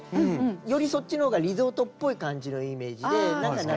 よりそっちのほうがリゾートっぽい感じのイメージで夏のイメージで。